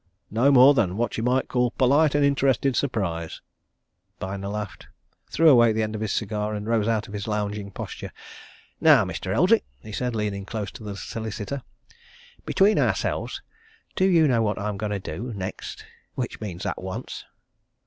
"No more than what you might call polite and interested surprise!" Byner laughed, threw away the end of a cigar, and rose out of his lounging posture. "Now, Mr. Eldrick," he said, leaning close to the solicitor, "between ourselves, do you know what I'm going to do next which means at once?"